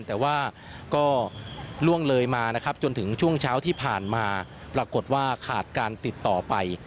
แต่ว่าก็ล่วงเลยมานะครับจนถึงช่วงเช้าที่ผ่านมาปรากฏว่าขาดการติดต่อไป